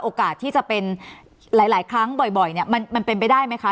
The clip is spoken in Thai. โอกาสว่าที่จะเป็นหลายครั้งบ่อยมันเป็นได้ไหมคะ